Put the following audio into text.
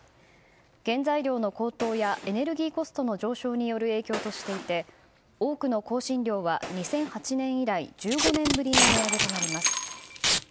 原材料の高騰やエネルギーコストの上昇による影響としていて、多くの香辛料は２００８年以来１５年ぶりの値上げとなります。